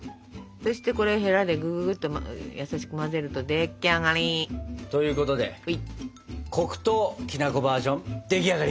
そしてこれヘラでぐぐぐっと優しく混ぜると出来上がり！ということで黒糖きなこバージョン出来上がり！